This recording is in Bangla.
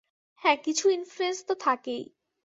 হ্যাঁ, কিছু ইনফ্লুয়েন্স তো থাকেই।